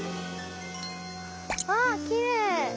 あきれい！